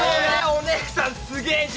お姉さんすげえじゃん！